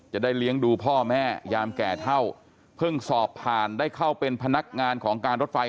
จะได้เลี้ยงดูพ่อแม่ยามแก่เท่าเพิ่งสอบผ่านได้เข้าเป็นพนักงานของการรถไฟ